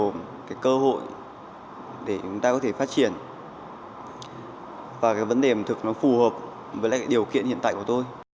một cái cơ hội để chúng ta có thể phát triển và cái vấn đề ẩm thực nó phù hợp với lại cái điều kiện hiện tại của tôi